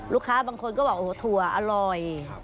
ลูกค้าบางคนก็บอกถั่วอร่อย